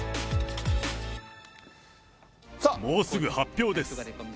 もうすぐ発表です。